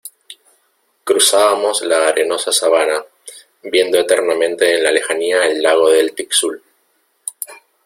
cruzábamos la arenosa sabana, viendo eternamente en la lejanía el lago del Tixul ,